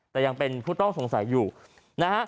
แต่ยังเป็นผู้ต้องสงสัยอยู่นะฮะ